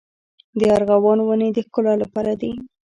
د ارغوان ونې د ښکلا لپاره دي؟